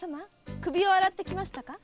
首を洗ってきましたか？